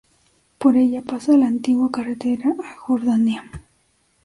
Por ella pasa la antigua carretera a Jordania.